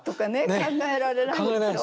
考えられないですよね。